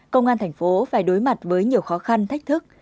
công an thành phố phải đối mặt với nhiều khó khăn thách thức